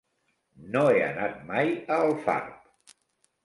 No he anat mai a Alfarb.